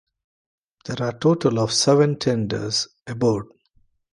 There are a total of seven tenders aboard.